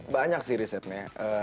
banyak sih risetnya